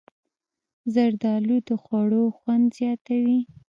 زردالو د خوړو خوند زیاتوي.